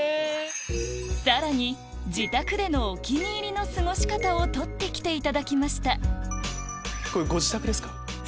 さらに自宅でのお気に入りの過ごし方を撮って来ていただきましたご自宅ですか。